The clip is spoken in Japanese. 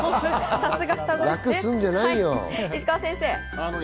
さすが双子ですね。